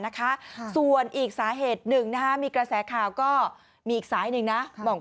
นะคะส่วนอีกสาเหตุหนึ่งนะคะมีกระแสข่าวก็มีอีกสายหนึ่งนะบอก